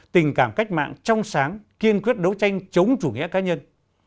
tình cảm cách mạng trong sáng kiên quyết đấu tranh chống chủ nghĩa cá nhân